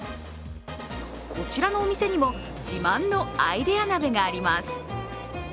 こちらのお店にも自慢のアイデア鍋があります。